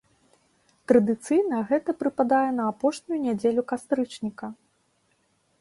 Традыцыйна гэта прыпадае на апошнюю нядзелю кастрычніка.